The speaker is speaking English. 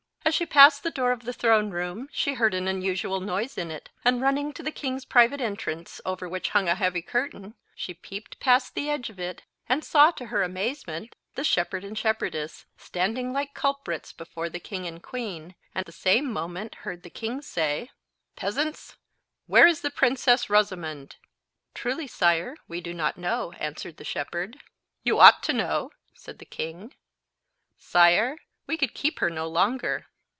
As she passed the door of the throne room she heard an unusual noise in it, and running to the king's private entrance, over which hung a heavy curtain, she peeped past the edge of it, and saw, to her amazement, the shepherd and shepherdess standing like culprits before the king and queen, and the same moment heard the king say— "Peasants, where is the princess Rosamond?" "Truly, sire, we do not know," answered the shepherd. "You ought to know," said the king. "Sire, we could keep her no longer."